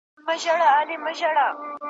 په خوله خوږ وو په زړه کوږ وو ډېر مکار وو `